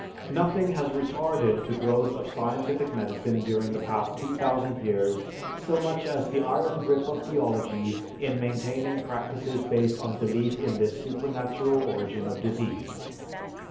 _Nothing has retarded the growth of scientific medicine during the past 2000 years so much as the iron grip of theology in maintaining practices based on belief in this supernatural origin of disease.